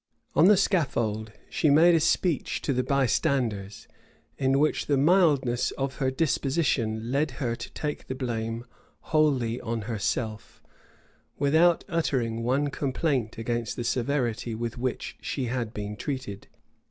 On the scaffold she made a speech to the bystanders; in which the mildness of her disposition led her to take the blame wholly on herself, without uttering one complaint against the severity with which she had been treated.